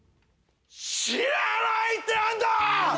「知らない」って何だ！